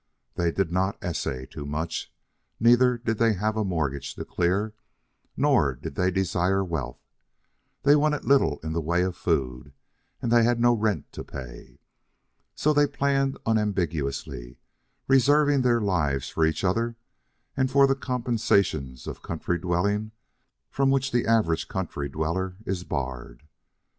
They did not essay too much. Neither did they have a mortgage to clear, nor did they desire wealth. They wanted little in the way of food, and they had no rent to pay. So they planned unambiguously, reserving their lives for each other and for the compensations of country dwelling from which the average country dweller is barred.